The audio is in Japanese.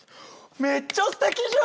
「めっちゃすてきじゃん！」